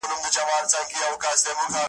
دواړه په یوه اندازه اهمیت لري `